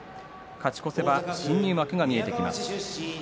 勝ち越せば新入幕が見えてきます。